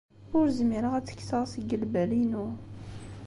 Ur zmireɣ ad tt-kkseɣ seg lbal-inu.